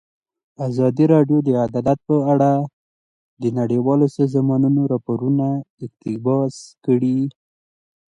ازادي راډیو د عدالت په اړه د نړیوالو سازمانونو راپورونه اقتباس کړي.